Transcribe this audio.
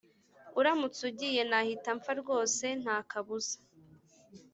uramutse ugiye nahita mpfa rwose ntakabuza